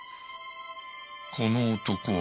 この男は。